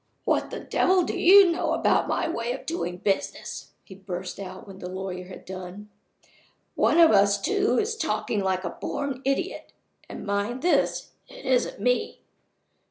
"What the devil do you know about my way of doing my business?" he burst out when the lawyer had done. "One of us two is talking like a born idiot and (mind this) it isn't me.